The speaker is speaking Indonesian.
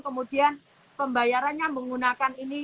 kemudian pembayarannya menggunakan ini